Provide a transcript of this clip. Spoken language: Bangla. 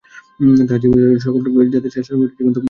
তাঁহার জীবন সকল জাতির শাস্ত্রসমূহের জীবন্ত ভাষ্য।